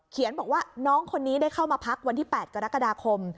บอกว่าน้องคนนี้ได้เข้ามาพักวันที่๘กรกฎาคม